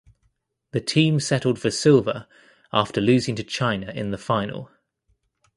The team settled for silver after losing to China in the final.